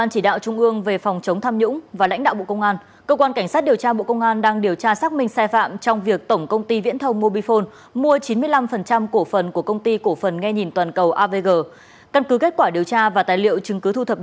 hãy đăng ký kênh để ủng hộ kênh của chúng mình nhé